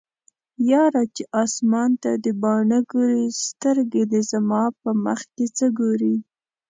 یاره چې اسمان ته دې باڼه ګوري سترګې دې زما په مخکې څه ګوري